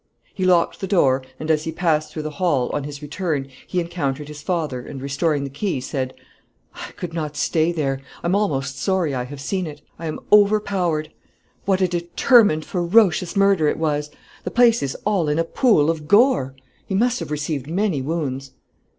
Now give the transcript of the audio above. He locked the door, and as he passed through the hall, on his return, he encountered his father, and, restoring the key, said "I could not stay there; I am almost sorry I have seen it; I am overpowered; what a determined, ferocious murder it was; the place is all in a pool of gore; he must have received many wounds."